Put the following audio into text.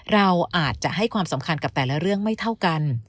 เราอาจจะให้ความสำคัญกับแต่ละเรื่องไม่เท่ากัน